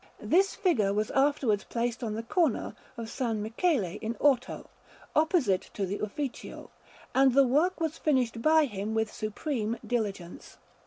This figure was afterwards placed on the corner of S. Michele in Orto, opposite to the Ufficio; and the work was finished by him with supreme diligence.